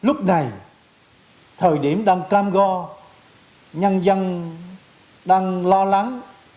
lúc này thời điểm đang cam go nhân dân đang lo lắng